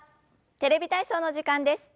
「テレビ体操」の時間です。